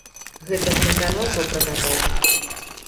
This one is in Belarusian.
Гэта ж не канаўку пракапаць.